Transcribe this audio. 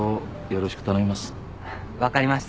よろしく頼みます。